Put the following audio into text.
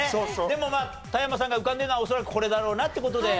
でも田山さんが浮かんでるのは恐らくこれだろうなって事で。